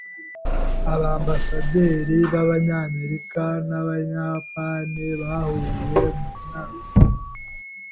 Abambasaderi b'Abanyamerika n'Abayapani bahuriye mu nama.